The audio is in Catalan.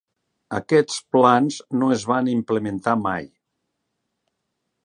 Aquests plans no es van implementar mai.